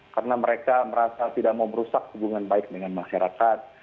karena mereka merasa tidak mau merusak hubungan baik dengan masyarakat